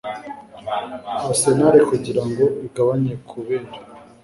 Arsenal kugirango igabanye kubera